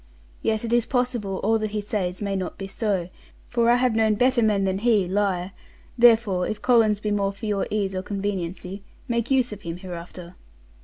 Yet it is possible all that he says may not be so, for I have known better men than he lie; therefore if Collins be more for your ease or conveniency, make use of him hereafter.